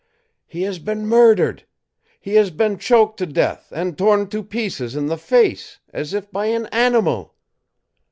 "He has been murdered! He has been choked to death, and torn to pieces in the face, as if by an animal!"